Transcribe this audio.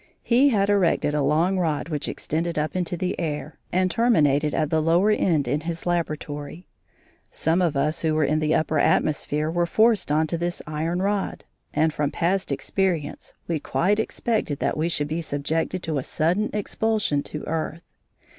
He had erected a long rod which extended up into the air, and terminated at the lower end in his laboratory. Some of us who were in the upper atmosphere were forced on to this iron rod, and from past experience we quite expected that we should be subjected to a sudden expulsion to earth.